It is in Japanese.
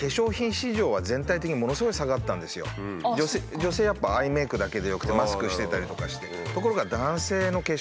女性やっぱアイメークだけでよくてマスクしてたりとかして。